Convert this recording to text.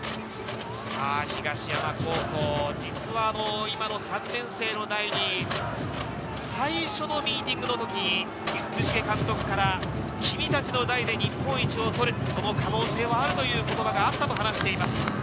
東山高校、実は今の３年生の代に最初のミーティングのときに、福重監督から君たちの代で日本一を取る、その可能性はあるという言葉があったと話しています。